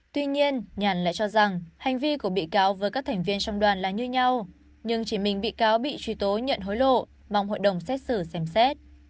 tuy nhiên nhàn lại cho rằng hành vi của bị cáo với các thành viên trong đoàn là như nhau nhưng chỉ mình bị cáo bị truy tố nhận hối lộ mong hội đồng xét xử xem xét